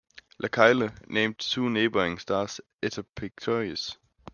Lacaille named two neighbouring stars Eta Pictoris.